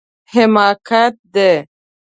حماقت دی